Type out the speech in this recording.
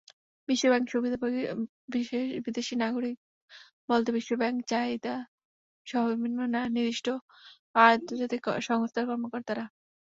বিশেষ সুবিধাভোগী বিদেশি নাগরিক বলতে বিশ্বব্যাংক, জাইকাসহ বিভিন্ন নির্দিষ্ট আন্তর্জাতিক সংস্থার কর্মকর্তারা।